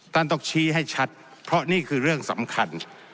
ต้องชี้ให้ชัดเพราะนี่คือเรื่องสำคัญ